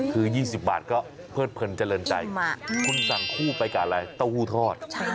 คือ๒๐บาทก็เพิดเพลินเจริญใจคุณสั่งคู่ไปกับอะไรเต้าหู้ทอด